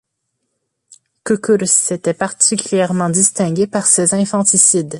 Cukurs s'était particulièrement distingué par ses infanticides.